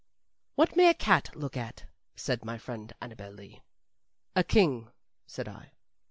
"What may a cat look at?" said my friend Annabel Lee. "A king," said I.